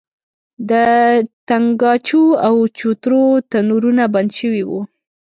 د تنګاچو او چوترو تنورونه بند شوي وو.